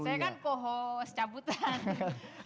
saya kan poho secaputan